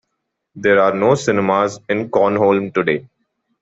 There are no cinemas in Cornholme today.